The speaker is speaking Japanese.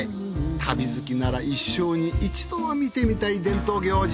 旅好きなら一生に一度は見てみたい伝統行事